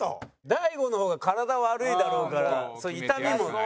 大悟の方が体悪いだろうから痛みも。